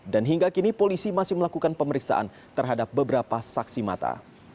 dan hingga kini polisi masih melakukan pemeriksaan terhadap beberapa saksi mata